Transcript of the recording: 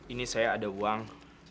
ini saya ada uang